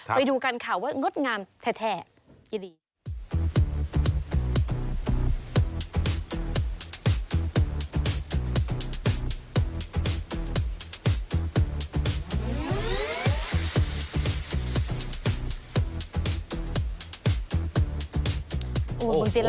ไปดูกันค่ะว่างดงามแท้ยินดี